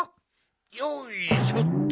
よいしょっと。